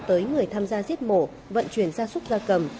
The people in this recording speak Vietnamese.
tới người tham gia giết mổ vận chuyển gia súc gia cầm